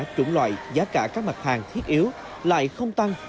chủng loại giá cả các mặt hàng thiết yếu lại không tăng